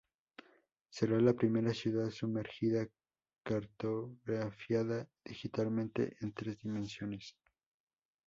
Será la primera ciudad sumergida cartografiada digitalmente en tres dimensiones.